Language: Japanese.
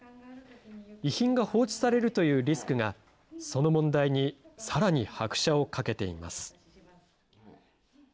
遺品が放置されるというリスクが、その問題にさらに拍車をかけています。